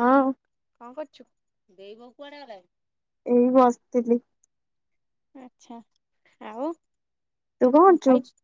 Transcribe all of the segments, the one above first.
ହଁ। କଁ କରଚୁ ଦେ ବ କୁଆଡେ ଗଲା? ଏଇ ବସଥିଲି। ଆଛା ଆଉ ତୁ କଣ କଁ କରୁଛୁ? ଖାଇଚୁ?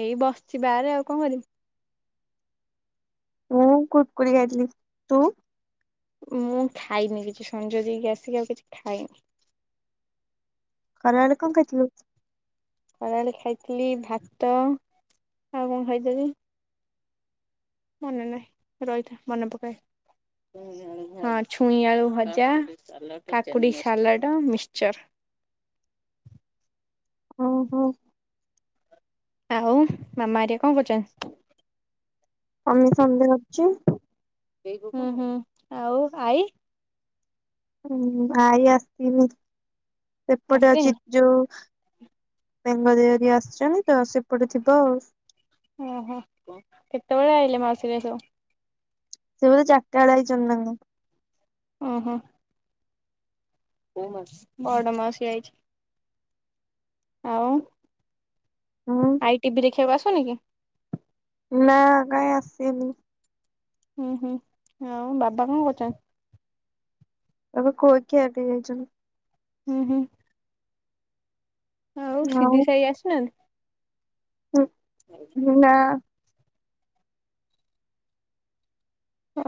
ଏଇ ବସଚି ବାହାରେ ଆଉ କଁ କରିବି? ମୁଁ କୁରକୁରି ଖାଇଥିଲି ତୁ ମୁଁ ଖାଇନି କିଛି ସଞ୍ଜ ଦେଇକି ଆସିକି ଆଉ କିଛି ଖାଇନି। ଖରା ବେଳେ କଁ ଖାଇଥିଲୁ? ଖରାବେଳେ ଖାଇଥିଲି ଭାତ ଆଉ କଁ ଖାଇଥିଲି ମନେ ନାହି ରହିଥା ମନେ ପକାଏ। ହଁ ଛୁଇଁ ଆଳୁ ଭଜା କାକୁଡି ସାଲାଟ ମିକ୍ଚର। ଓହୋ। ଆ ହୋ ମାମା ହେରିଆ କଁ କରୁଚନ୍ତି? ମମି ସନ୍ଧ୍ୟା ଦୋଉଚି। ହୁଁ ହୁଁ ଆଉ ଆଇ ହୁଁ ଭାଇ ଆସଥିଲି ସେପଟେ ଆସିନି? ଅଛି। ଯୋଉ ବେଙ୍ଗଦେଇ ହେରିକା ଆସିଚନ୍ତି ତ ସେପଟେ ଥିବ ଆଉ। ଓହୋ କେତେବେଳେ ଆଇଲେ ମାଉସ ହେରିକା ସବୁ? ସେ ବୋଧେ ଚାରଟାବେଳେ ଆଇଚନ୍ତି ନା କଣ? ଓହୋ। କୋଉ ମାଉସୀ ବଡ ମାଉସୀ ଆଇଚି। ଆଉ ହୁଁ ଆଇ ଟିଭି ଦେଖିବାକୁ ଆସୁନି କି? ନା କାଇ ଆସିନି। ଉଁ ହୁଁ ଆଉ ବାବା କଁ କରୁଚ ଏବେ କୁଆଖିଆ ଦେଇ ଯାଇଛନ୍ତି। ଉଁ ହୁଁ। ଆଉ ସିଧି ସାହି ଆସିନାହାନ୍ତି ହଁ ନା।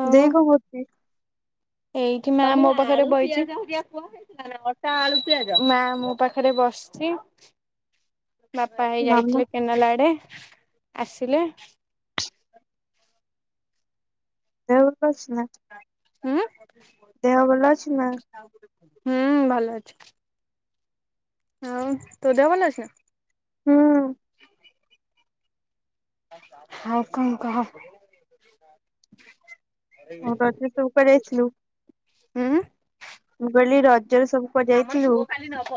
ଆଉ ଦେଇ କଁ କରୁଚି? ଏଇଠି ମା ମୋ ପାଖରେ ବଇଚନ୍ତି [unintelligible] ମା ମୋ ପାଖରେ ବସଚି। ବାପା ହେଇ ମାମା ଯାଇଥିଲେ କେନାଲ ଆଡେ ଆସିଲେ। ଦେହ ଭଲ ଅଛି ନା? ଉଁ ଦେହ ଭଲ ଅଛି ନା? ହୁଁ ଭଲ ଅଛି। ଆଉ ତୋ ଦେହ ଭଲ ଅଛି? ହୁଁ। ହାଉ କଁ କହ ମୁଁ କହିଲି ତୁ କୁଆଡେ ଯାଇଥିଲୁ ହୁଁ ମୁଁ କହିଲି ରଜ ଜରେ ସବୁ କୁଆଡ଼େ ଯାଇଥିଲୁ? [inaudible] ନବ।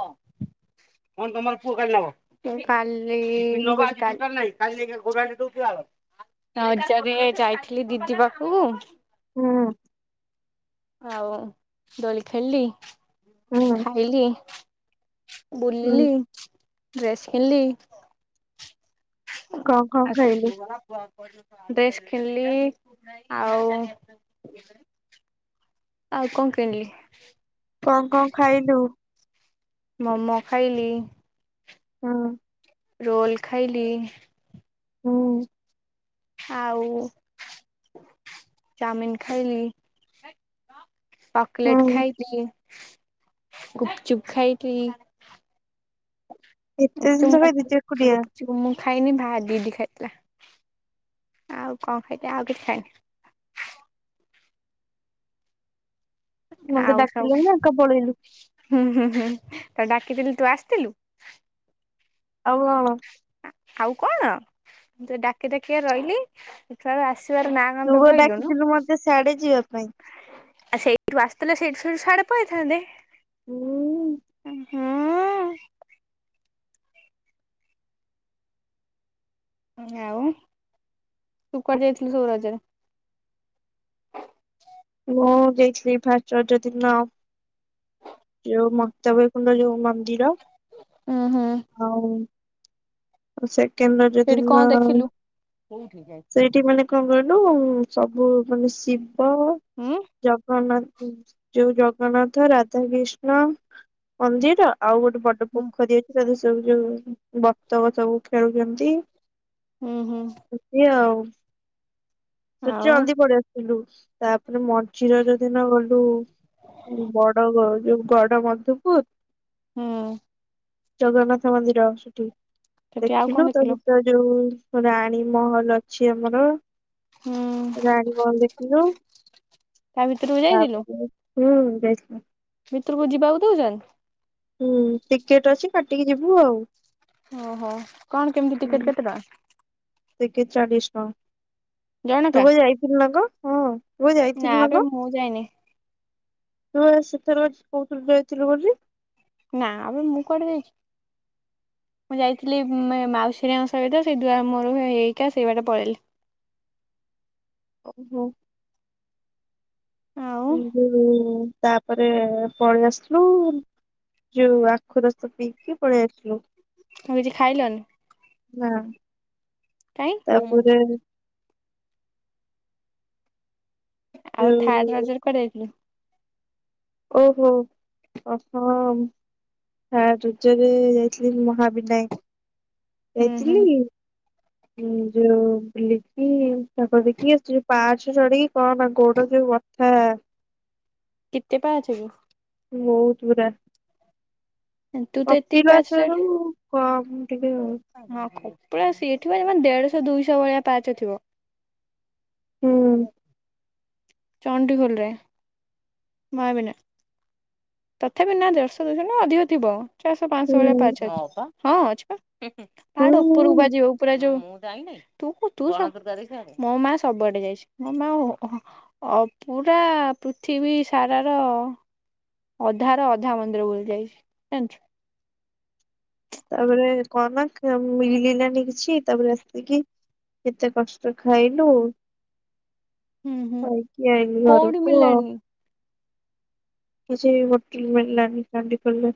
[unintelligible] କାଲି କାଲି [unintelligible] ରଜରେ ଯାଇଥିଲି ଦିଦି ପାଖକୁ ହୁଁ ଆଉ ଦୋଳି ଖେଳିଲି ହୁଁ ଖାଇଲି ବୁଲିଲି ହୁଁ ଡ୍ରେସ୍ କିଣଲି କଣ କଣ ଖାଇଲୁ [inaudible] ଡ୍ରେସ୍ କିଣଲି ଆଉ ଆଉ କଣ କିଣଲି କଁ କଁ ଖାଇଲୁ? ମୋମୋ ଖାଇଲି ହୁଁ। ରୋଲ୍ ଖାଇଲି ହୁଁ। ଆଉ ଚାଉମିିନ ଖାଇଲି କକଲେଟ୍ ହୁଁ ଖାଇ ଉଁ ଗୁପୁଚୁପୁ ଖାଇଥିଲି [unintelligible] ଏତେ ଜିନିଷ ଖାଇଦେଇଛୁ ଏକୁଟିଆ ଚୁପ୍ ମୁଁ ଖାଇନି ଭା ଦିଦି ଖାଇଥିଲା ଆଉ କଣ ଖାଇଲି ଆଉ କିଛି ଖାଇନି‌। ମତେ ଆଉ ସବୁ ଡାକିଲୁନି ଏକା ପଳେଇଲୁ? ହୁଁ ହୁଁ ହୁଁ ତ ଡାକିଥିଲି ତୁ ଆସିଥିଲୁ? ଆଉ ଆଉ ଆ ଆଉ କଣ ମୁଁ ତ ଡାକି ଡାକି ରହିଲି ତୁ ଆଉ ଆସିବାର ନାଁ ତୁ ଗନ୍ଧ କୋଉ ଡାକିଥିଲୁ ମତେ ସାିଆଡେ ଯିବା ପାଇଁ? ଆ ସେଇଠୁ ଆସିଥିଲେ ସେଇଠୁ ସେଠୁ ସିଆଡେ ପଳେଥାନ୍ତେ। ହୁଁ? ହଁଅଁ ଆଉ ତୁ କୁଆଡେ ଯାଇଥିଲୁ ସବୁ ରଜରେ? ମୁଁ ଯାଇଥିଲି ଫାଷ୍ଟ ରଜ ଦିନ ଯୋଉ ମର୍ତ୍ତ୍ୟବୈକୁଣ୍ଠ ଯୋଉ ମନ୍ଦିର ଉଁ ହୁଁ। ଆଉ ସେକେଣ୍ଡ ରଜ ସେଠି ଦିନ କଣ ଦେଖିଲୁ? ସେ ଠି ମାନେ କଣ କହିଲୁ ସବୁ ମାନେ ଶିବ ହୁଁ ଜଗନ୍ନାଥ ଯୋଉ ଜଗନ୍ନାଥ ରା ରାଧାକିଷ୍ଣ ମନ୍ଦିର ଆଉ ଗୋଟେ ବଡ ହୁଁ ପୋଖରୀ ଅ ଭିତରେ ସବୁ ଯୋଉ ବତକ ସବୁ ଖେଳୁଛନ୍ତି। ହୁଁ ହୁଁ। ଆଉ [unintelligible] ଆଉ ଜଲଦି ପଳିଆସେ ଥିଲୁ ତାପରେ ମଝି ରଜ ଦିନ ଗଲୁ ବ ଡ ଯୋଉ ଗଡ ମଧୂପୁର୍ ହୁଁ। ଜଗନ୍ନାଥ ମନ୍ଦିର ସେଠି ସେଠି ଆଉ କଣ ଦେଖିଲୁ ତା ଭିତ ଯୋଉ ରାଣୀ ମହଲ ଅଛି ଆମର ହୁଁ ରାଣୀ ମହଲ ଦେଖିଲୁ, ତା ଭିତରକୁ ଯାଇଥିଲୁ ତାପରେ ହୁଁ, ଯାଇଥିଲୁ। ଭିତରକୁ ଯିବାକୁ ଦେଉଚନ୍ତି? ହୁଁ, ଟିକେଟ ଅଛି, କାଟିକି ଯିବୁ ଆଉ। ଓହୋ କଣ କେମିତି ଟିକେଟ କେତେ ଟଙ୍କା? ଟିକେଟ ଚାଳିଶ ଟଙ୍କା, ତୁ ଜଣକା? ପା ଯାଇଥିଲୁ ନା କଣ? ତୁ ପା ଯାଇଥିଲୁ ନା ବେ କଣ? ମୁଁ ଯାଇନି ତୁ ପା ସେଥରକ କହୁଥିଲୁ ଯାଇଥିଲୁ ବୋଲି। ନା ବେ, ମୁଁ କୁଆଡ଼େ ଯାଇଚି। ମୁଁ ଯାଇଥିଲି ମାଉସୀ ହେରିକାଙ୍କ ସହିତ, ସେ ଦୁଆର ମୁଁହରୁ ହେଇ ହେଇକା ସେଇ ବାଟେ ପଳେଇଲି। ଓହୋ। ଆଉ ହୁଁ, ତାପରେ ପଳେଇ ଆସିଲୁ। ଯଉ ଆଖୁ ରସ ପିଇକି ପଳେଇ ଆସିଲୁ। ଆଉ କିଛି ଖାଇଲନି? ନା। ତାପରେ କାଇଁ? ଆଉ ଥାର୍ଡ ଯୋଉ ରଜରେ କୁଆଡେ ଯାଇଥିଲୁ? ଓହୋ, ଅ ହ ମ୍। ଥାର୍ଡ଼ ରଜରେ ଯାଇଥିଲି ମହାବିନାୟକ, ହୁଁ ହୁଁ ଯାଇଥିଲି। [unintelligible] ଉଁ, ଯୋଉ ବୁଲିକି, ତା ଦେଖିକି ଯୋଉ ପାହାଛ ଚଢିକି କହନା ଗୋଡ ଯୋଉ ବ ଥା। କେତେ ପାହଚ କି? ବହୁତ ଗୁରା, କି ତୁ ତ ଏତିକି ପାଚ କପିଳାସରୁ କମ ଟିକେ ଆଉ। ହଁ କପିଳାସ ସେଇଠିବା ଦେଢଶହ ଦୁଇଶହ ଭଳିଆ ପାହାଚ ଥିବ। ହୁଁ ଚଣ୍ଡିଖୋଲରେ, ମହବିନା ତଥାପି ନା, ଦେଢଶହ ଦୁଇଶହ ନୁହଁ, ଅଧିକ ଥିବ ଚାରିଶହ ପାଞ୍ଚଶହ ଭଳିଆ ହୁଁ ପାହଚ ଅଛି, ହଁ ପା, ହଁ ଅଛି ପା। ହୁଁ ପାହାଡ ହୁଁ ଉପରକୁ ପା ଯିବାକୁ ପୁରା ଯୋଉ ତୁକୁ ତୁ, ମୋ ମା ସବୁଆଡେ ଯାଇଚି, ମୋ ମା ଅ ପୁରା ପୃଥିବୀ ସାରାର ଅଧା ର ଅଧା ମନ୍ଦିର ବୁଲି ଯାଇଚି, ଜାଣିଚୁ? ତାପରେ କଣ ନା, ମିଳିଲାନୀ କିଛି, ତାପରେ ଆସକିି କେତେ କଷ୍ଟ ରେ ଖାଇଲୁ, ହୁଁ ହୁଁ ଖାଇକି ଆଇଲି କୋଉଠି ଘରକୁ ଆଉ। ମିଳିଲାନି କିଛି ହୋଟେଲ ମିଳିଲାନି ଚଣ୍ଡିଖୋଲ ରେ।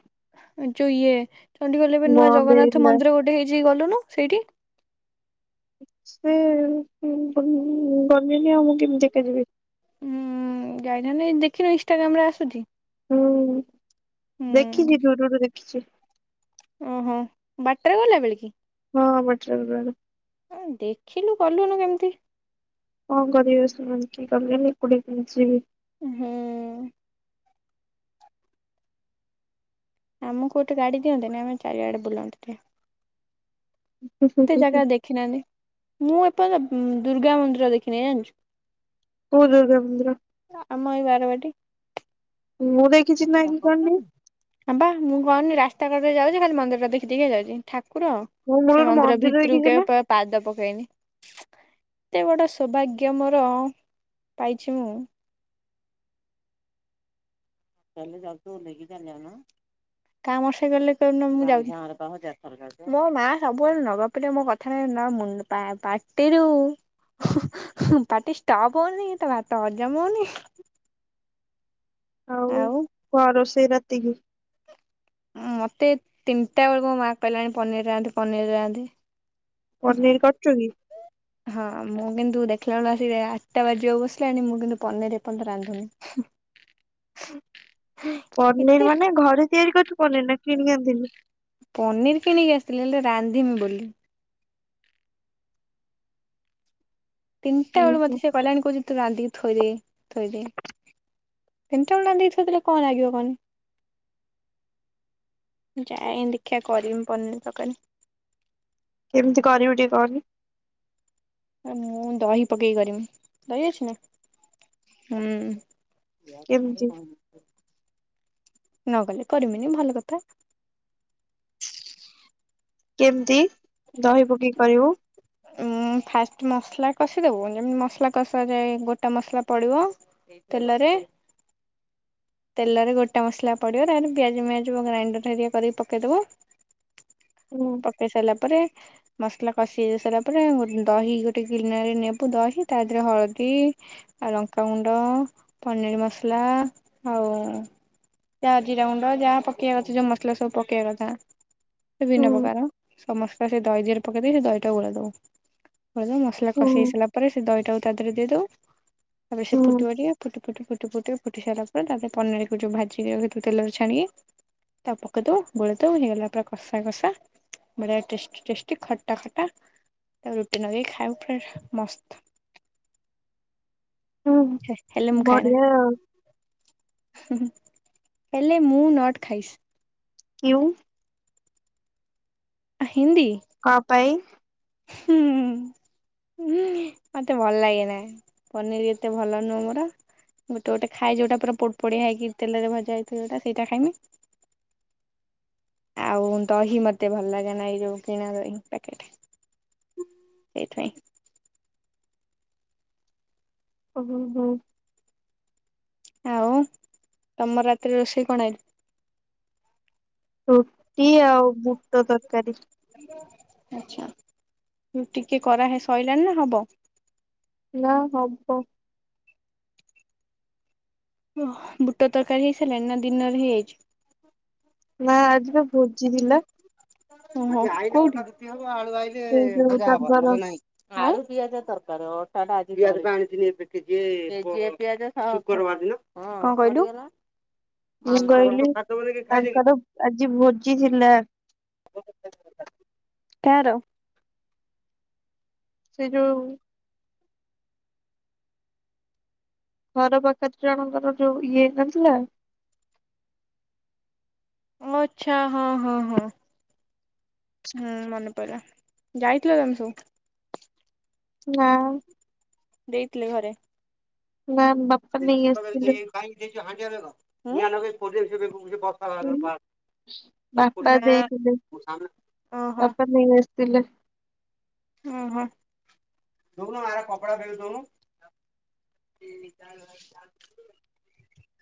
ଯୋଉ ଇଏ ଚଣ୍ଡିଖୋଲ ରେ ଏବେ ନୂଆ ବନ୍ଦ ଜଗନ୍ନାଥ ହେଇଗଲା ମନ୍ଦିର ଗୋଟେ ହେଇଚି, ଗଲୁନୁ ସେଇଠି। ସେ ଗ ଗଲିନି, ଆଉ ମୁଁ କେମିତି ଏକା ଯିବି? ଉଁ ଉଁ, ଯାଇ ନାହାନ୍ତି, ଦେଖିନୁ ଇନଷ୍ଟାଗ୍ରାମ ରେ ଆସୁଚି। ହୁଁ, ଦେଖିଚି ଦୂରରୁ ଦେଖିଚି। ଓ ହୋ, ବାଟରେ ଗଲା ବେଳେ କି? ହଁ, ବାଟରେ ଗଲା ବେଳେ। ହ ଦେଖିଲୁ ଗଲୁନୁ କେମିତି? କଣ କରିବ, ସେମାନେ କେହି ଗଲେନି, ଏକୁଟିଆ କେମିତି ଯିବି। ହୁଁ ହୁଁ। ଆମକୁ ଗୋଟେ ଗାଡ଼ି ଦିଅନ୍ତେନି, ଆମ ଚାରିଆଡ଼େ ବୁଲନ୍ତେ। କେତେ ଜାଗା ଦେଖିନାହାନ୍ତି, ମୁଁ ଏପର୍ଯ୍ୟନ୍ତ ଦୁର୍ଗା ମନ୍ଦିର ଦେଖିନି, ଜାଣିଚୁ? କୋଉ ଦୁର୍ଗା ମନ୍ଦିର? ଆମ ଏଇ ବାରବାଟୀ। ମୁଁ ଦେଖିଛିି [inaudible] ହଁ ବା ମୁଁ କହୁନି ରାସ୍ତା କଡ଼ରେ ଯାଉଛି ଖାଲି ମନ୍ଦିରଟା ଦେଖି ଦେଖିକା ଯାଉଛି। ଠାକୁର ମୁଁ ସେ ମୂଳରୁ ମନ୍ଦିର ଭିତରୁକୁ ଦେଖିଛି ନା କେବେ ପାଦ ପକେଇନି। ଏତେ ବଡ଼ ସୌଭାଗ୍ୟ ମୋର ପାଇଛି ମୁଁ [inaudible] ଯାଉଛି ମୋ ମା ସବୁବେଳେ ନଗ ଗପିଲେ ମୋ କଥାରେ ନ ମୁ ପା ପଟିରୁୁ ହୁ ହୁ ପାଟି ଷ୍ଟପ ହଉନି କି ତା ଭାତ ହଜମ ହଉନି। ଆଉ, କଣ ରୋଷେଇ ରାତିକି? ମୋତେ ତିନିଟା ବେଳକୁ ମୋ ମା କହିଲାଣି ପନିର ରାନ୍ଧେ ପନିର ରାନ୍ଧେ। ପନିର କରିଛୁ କି? [inaudible] ହଁ ମୁଁ କିନ୍ତୁ ଦେଖିଲା ବେଳ ଆସିକି ଆଠଟା ବାଜିବାକୁ ବସିଲାଣି ମୁଁ କିନ୍ତୁ ପନିର ଏପର୍ଯ୍ୟନ୍ତ ରାନ୍ଧୁନି। [unintelligible] ଏତେ ପନିର ମାନେ ଘରେ ତିଆରି କରିୁଛୁ ପନିର ନା କିଣିିକି ଆଣିଥିଲୁ? ପନିର କିଣିକି ଆସିିଥିଲି ହେଲେ ରାନ୍ଧିବି ବୋଲି। ତିନିଟା ବଳୁ ଓହୋ ମତେ ସିଏ କହିଲାଣି କହୁଛି ତୁ ରାନ୍ଧିକି ଥୋଇଦେ। ଥୋଇଦେ। ତିନିଟା ବେଳୁ ରନ୍ଧିକି ଥୋଇଦେଲେ କଣ ଲାଗିବ କହନି? ଯାଏ ଦେଖିବା କରିବି ପନିର ତରକାରୀ। କେମିତି କରିବୁ ଟିକେ କହନି? ମୁଁ ଦହି ପକେଇକି କରିମି ଦହି ଅଛି ନା? ହୁଁ। କେମିତି ନ ଗଲେ କରିବିନି ଭଲ କଥା। କେମିତି ଦହିି ପକେଇ କରିବୁ? ଉଁ ଫାଷ୍ଟ ମସଲା କଷିଦେବୁ, ଯେମିତି ମସଲା କଷାଯାଏ ଗୋଟା ମସଲା ପଡ଼ିବ। ତେଲରେ- ତେଲରେ ଗୋଟେ ମସଲା ପଡ଼ିବ, ତାପରେ ପିଆଜ ମିିଆଜ [inaudible] ଗ୍ରାଇଣ୍ଡର ହେରିଆ କରିକି ପକେଇଦବୁ। ହୁଁ। ପକେଇ ସାରିଲା ପରେ ମସଲା କଷି ହେଇ ସାରିଲା ପରେ, ଦହି ଗୋଟେ ଗିନାରେ ନେବୁ ଦହି ତା ଦେହରେ ହଳଦୀ ଲଙ୍କାଗୁଣ୍ଡ, ପନିର ମସଲା ଆଉ ଯାହା ଜିରା ଗୁଣ୍ଡ ଯାହା ପକେଇବା କଥା ଯୋଉ ମସଲା ସବୁ ପକେଇବା କଥା। ବିଭିନ୍ନ ହୁଁ ପ୍ରକାର ସମସ୍ତେ ସେ ଦହି ଦିହରେ ପକେଇ ଦେଇ ସେ ଦହିଟା ଗୋଳେଇ ଦବୁ। ମସଲା କଷି ହୁଁ ହେଇସାରିଲା ପରେ ସେ ଦହିଟାକୁ ତା ଦେହରେ ଦେଇଦବୁ। ତାପରେ ସେ ହୁଁ ଫୁଟିବ ଟିକେ ପୁଟିୁୁୁ ଫୁଟି ଫୁଟି ଫୁଟି ଫୁଟି ସାଇଲା ତାପରେ ପନିରକୁ ଯୋଉ ଭାଜିକି ରଖିଥିବୁ ତେଲରେ ଛାଣିକି ତାକୁ ପକେଇଦବୁ ଗୋଲେଇଦବୁ ହେଇଗଲା ପୁରା କଷା କଷା। ପୁର ଟେଷ୍ଟି ଟେଷ୍ଟି ଖଟା ଖଟା ତାକୁ ରୁଟି ନଗେଇି ଖାଇବାକୁ ପୁରା ମସ୍ତ। ହୁଁ। ହେଲ ମୁ ଖାଏନା। ବଢିଆ ଆଉ ହେଲେ ମୁଁ ନଟ୍ ଖାଇସି। କିଉଁ? ହିନ୍ଦୀ। କଣ ପାଇଁ? ହୁଁ। ହୁଁ ମତେ ଭଲ ଲାଗେନା। ପନିରି ଏତେ ଭଲ ନୁହଁ ମୋର। ଗୋଟେ ଗୋଟେ ଖାଏ ଯଉଟା ପୁରା ପୋଡ ପୋଡ଼ିଆ ହେଇକି ତେଲରେ ଭଜାହେଇ ଥିବ ଯଉଟା ସେଇଟା ଖାଇମି। ଆଉ ଦହି ମତେ ଭଲ ଲାଗେ ନା ଏଇ ଯୋଉ କିଣା ଦହି ପ୍ୟାକେଟ୍। ଏଇଥି ପାଇଁ। ହୁଁ ହୁଁ। ଆଉ ତମର ରାତିରେ ରୋଷେଇ କଣ ଆଜି? ରୁଟି ଆଉ ବୁଟ ତରକାରୀ। ଆଛା ରୁଟି କିଏ କରା ହେଇ ଶଇଲାଣି ନା ହବ? ନାଁ ହବ। ଓହ ବୁଟ ତରକାରୀ ହେଇ ସାରିଲାଣି ନା ଦିନରେ ହେଇଯାଇଚି। ନାଁ ଆଜି ବା ଭୋଜି ଥିଲା। ଓହୋ କୋଉଠି? ସେଇ ଯୋଉ ତାଙ୍କର [inaudible] କଣ କହିଲୁ? ମୁଁ କହିଲି ତାଙ୍କର ଆଜି ଭୋଜି ଥିଲା। କାହାର? ସେ ଯୋଉ ଘର ପାଖରେ ଜଣଙ୍କର ଯୋଉ ଇଏ ହେଇନଥିଲା ଓ ଆଛା ହଁ ହଁ ହଁ। ହୁଁ ମନେପଇଲା ଯାଇଥିଲ ତମେ ସବୁ? ନାଁ। ଦେଇଥିଲେ ଘରେ। ନାଁ ବା ହୁଁ। ହୁଁ, ନା ବାପା ଦେଇଥିଲେ ଓହୋ। ଥିଲେ ଓ ହୋ।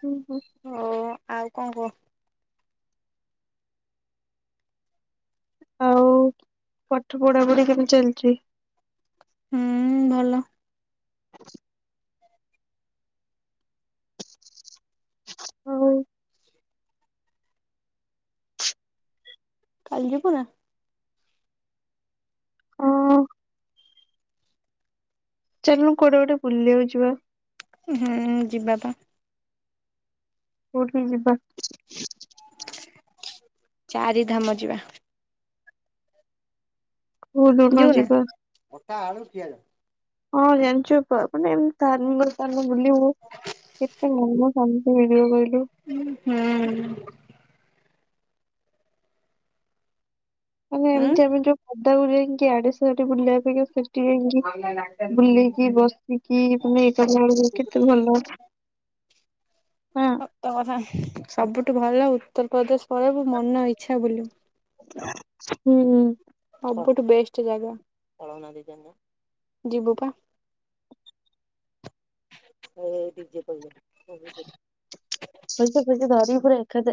ହୁଁ ହୁଁ। ହଉ ଆଉ କଣ କୁହ। ଆଉ ପାଠ ପଢାପଢି କେମିତି ଚାଲିଚି? ହୁଁ ଭଲ। ହଉ। କାଲି ଯିବୁ ନା? ହଁ। ଚାଲନୁ କୁଆଡେ ଗୋଟେ ବୁଲିବାକୁ ଯିବା। ହୁଁ ଯିବା ପା। କୋଉଠି କି ଯିବା? ଚାରି ଧାମ ଯିବା। କୋଉ ଦିନ ଯିବୁ ନା? ଯିବା ହଁ ଜାଣିଚୁ ପ ମାନେ ଏମିତି ତା ମୁଁ କହିଲି ତାହାଲେ ବୁଲିବୁ କେତେ ମନ ଶାନ୍ତି ହେଇଯିବ କହିଲୁ। ଉଁ ହୁଁ। ମାନେ ଉଁ ଏମିତି ଆମେ ଯୋଉ ପଦାକୁ ଯାଇଁକି ଆଡେ ସିଆଡେ ବୁଲିବା ଅପେକ୍ଷା ସେଠି ଯାଇଁକି ବୁଲିକି ବସିକି ମାନେ ଇଏ କଲାବେଳକୁ କେତେ ଭଲ। ହଁ। ସତ କଥା ସବୁଠୁ ଭଲ ଉତ୍ତରପ୍ରଦେଶ ପଳେଇବୁ ମନ ଇଚଛା ବୁଲିବୁ। ହୁଁ। ସବୁଠୁ ବେଷ୍ଟ ଜାଗା। ଜିିବୁପା। ଏ ଦଡିଜେ ପଇ ସେ [inaudible] ବ ଦାି ଭରେଖା [unintelligible]